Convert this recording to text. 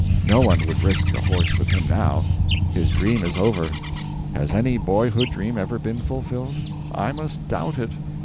No one would risk a horse with him now. His dream is over. Has any boyhood dream ever been fulfilled? I must doubt it.